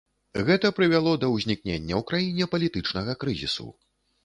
Гэта прывяло да ўзнікнення ў краіне палітычнага крызісу.